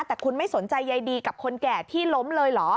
แต่คุณไม่สนใจใยดีกับคนแก่ที่ล้มเลยเหรอ